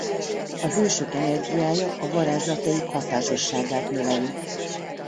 A hősök energiája a varázslataik hatásosságát növeli.